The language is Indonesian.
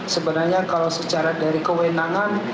sebenarnya kalau secara dari kewenangan